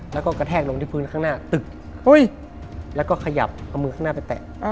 แล้วก็กระแทกลงที่พื้นข้างหน้าตึกแล้วก็ขยับเอามือข้างหน้าไปแตะ